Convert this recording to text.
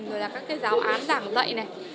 rồi là các cái giáo án giảng dạy này